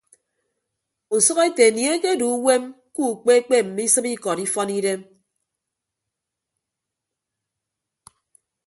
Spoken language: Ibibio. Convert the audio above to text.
Usʌk ete anie ekedu uwem ke ukpe kpe mme isịp ikọd ifọn idem.